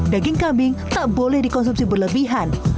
daging kambing tak boleh dikonsumsi berlebihan